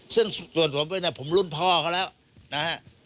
ซึ่งส่วนผมด้วยนะผมรุ่นพ่อเขาแล้วนะฮะ